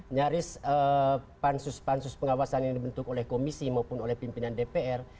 nyaris pansus pansus pengawasan yang dibentuk oleh komisi maupun oleh pimpinan dpr